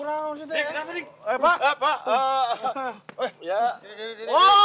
diri diri diri diri